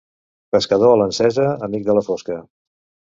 Pescador a l'encesa, amic de la fosca.